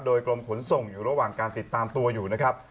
โดยกรมขนส่งอยู่ระหว่างการติดตามตัวอยู่นะครับ